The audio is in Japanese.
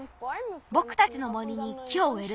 ぼくたちの森に木をうえる。